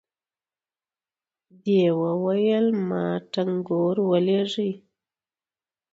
دې وويل ما ټنګور ولېږئ.